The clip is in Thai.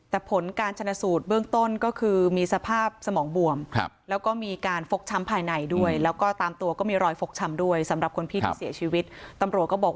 แต่ผลการชนสูตรเบื้องต้นก็คือมีสภาพสมองบวม